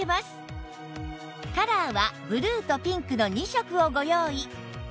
カラーはブルーとピンクの２色をご用意